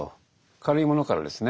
軽いものからですね